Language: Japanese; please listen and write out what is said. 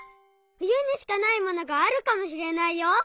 ふゆにしかないものがあるかもしれないよ。